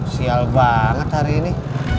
sial banget hari ini